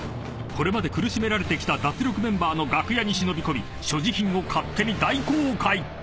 これまで苦しめられてきた脱力メンバーの楽屋に忍び込み所持品を勝手に大公開！］